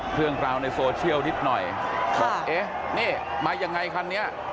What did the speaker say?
เพลิงราวในโซเชียลนิดหน่อยเอ๊ะเนี้ยมายังไงคันนี้เนี้ย